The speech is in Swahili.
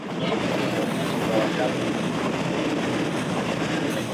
Dalili kwa wanyama waliokufa kwa ugonjwa wa pumu